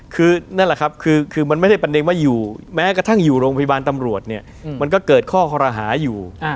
คือนั่นแหละครับคือมันไม่ได้ประเด็นว่าอยู่แม้กระทั่งอยู่โรงพยาบาลตำรวจเนี่ยมันก็เกิดข้อคอรหาอยู่